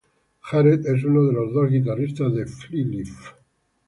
Jared es uno de los dos guitarristas de Flyleaf.